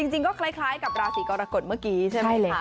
จริงก็คล้ายกับราศีกรกฎเมื่อกี้ใช่ไหมคะ